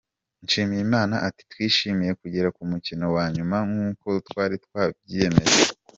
Nshimiyimana ati, “Twishimiye kugera ku mukino wa nyuma nk’uko twari twabyiyemeje.